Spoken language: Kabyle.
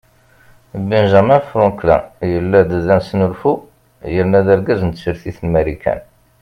Benjamin Franklin yella d amesnulfu yerna d argaz n tsertit n Marikan.